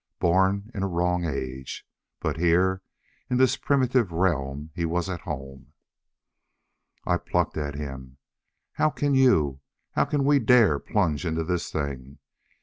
Born in a wrong age. But here in this primitive realm he was at home. I plucked at him. "How can you how can we dare plunge into this thing?